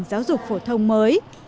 giáo dục phổ thông mới